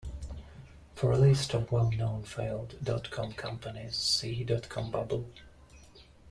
For a list of well-known failed dot-com companies, see dot-com bubble.